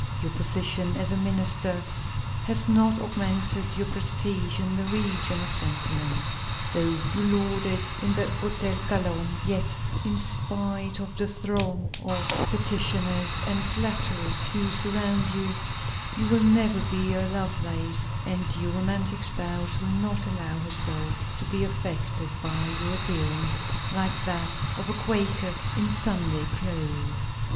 Your position as a minister has not augmented your prestige in the region of sentiment. Though you lord it in the Hotel Calonne, yet, in spite of the throng of petitioners and flatterers who surround you, you will never be a Lovelace, and your romantic spouse will not allow herself to be affected by your appearance, like that of a Quaker in Sunday clothes.